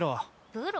プロ？